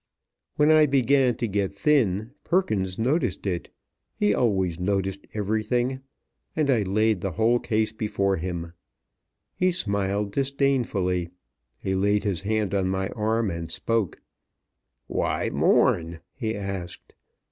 When I began to get thin, Perkins noticed it, he always noticed everything, and I laid the whole case before him. He smiled disdainfully. He laid his hand on my arm and spoke. "Why mourn?" he asked.